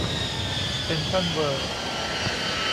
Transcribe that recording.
เซ็นทรัลเวิร์ล